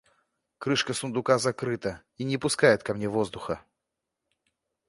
Крышка сундука закрыта и не пускает ко мне воздуха.